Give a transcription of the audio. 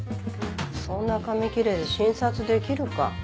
そんな紙切れで診察できるか。